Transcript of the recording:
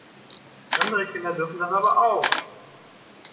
Andere Kinder dürfen das aber auch!